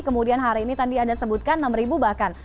kemudian hari ini tadi anda sebutkan enam ribu bahkan